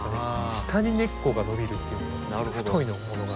下に根っこが伸びるっていう太いものが。